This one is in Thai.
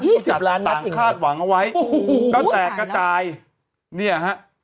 ยี่สิบล้านนับจริงจัดตัดคาดหวังเอาไว้ก็แตกกระจายเนี่ยฮะ